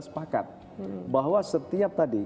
sepakat bahwa setiap tadi